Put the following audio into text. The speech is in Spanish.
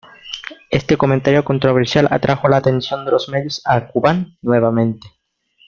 Este comentario controversial atrajo la atención de los medios a Cuban nuevamente.